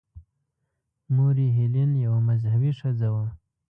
مور یې هیلین یوه مذهبي ښځه وه.